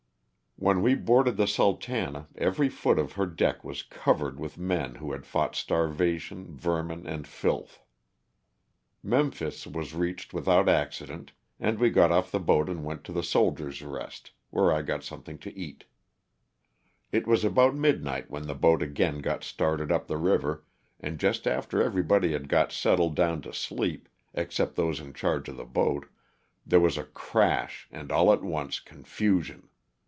When we boarded the *' Sultana '^ every foot of her deck was covered with men who had fought starvation, vermin and filth. Memphis was reached without accident and we got off the boat and went to the '^ Soldiers' Rest," where I got something to eat. It 326 LOSS OF THE SULTANA. was about midnight when the boat again got started up the river, and just after everybody had got settled down to sleep, except those in charge of the boat, there was a crash and all at once confusion.